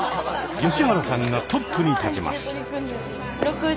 吉原さんがトップに立ちます。